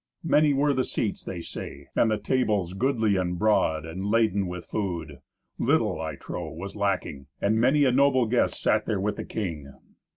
Many were the seats, they say, and the tables goodly and broad, and laden with food. Little, I trow, was lacking! And many a noble guest sat there with the king.